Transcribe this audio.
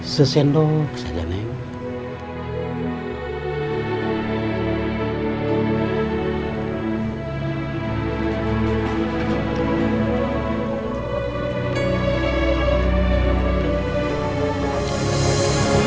sesendok saja naik